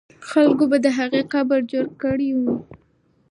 خلکو به د هغې قبر جوړ کړی وي.